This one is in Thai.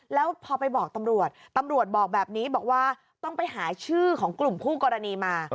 แล้วพอไปบอกตำรวจต้องไปหาชื่อของกลุ่มผู้กรณีมา